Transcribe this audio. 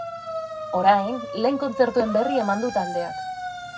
Orain, lehen kontzertuen berri eman du taldeak.